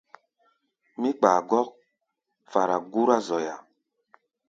Mí kpaa gɔ́k fara gúrá zoya.